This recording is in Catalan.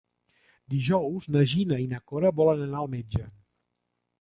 Dijous na Gina i na Cora volen anar al metge.